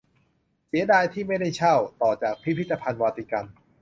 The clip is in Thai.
เสียดายที่ไม่ได้เช่า ต่อจากพิพิธภัณฑ์วาติกัน